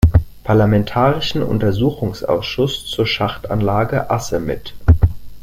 Parlamentarischen Untersuchungsausschuss zur Schachtanlage Asse mit.